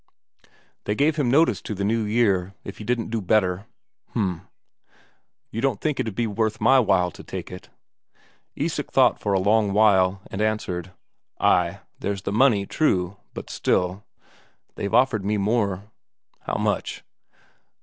"They gave him notice to the new year, if he didn't do better." "H'm." "You don't think it'd be worth my while to take it?" Isak thought for a long while, and answered: "Ay, there's the money, true, but still...." "They've offered me more." "How much?"